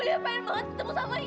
lihat apa yang banget ketemu sama ibu